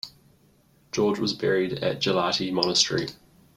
George was buried at Gelati monastery.